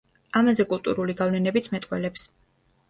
ამაზე კულტურული გავლენებიც მეტყველებს.